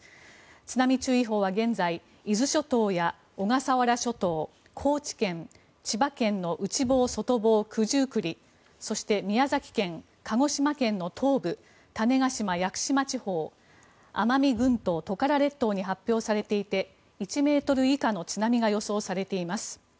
津波注意報は現在伊豆諸島や小笠原諸島、高知県千葉県の内房、外房、九十九里そして、宮崎県、鹿児島県の東部種子島・屋久島地方奄美群島・トカラ列島に発表されていて１ｍ以下の津波が予想されています。